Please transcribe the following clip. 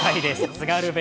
津軽弁。